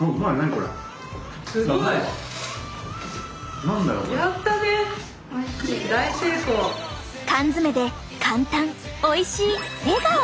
すごい！缶詰で簡単おいしい笑顔！